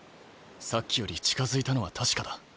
さっきより近づいたのは確かだ。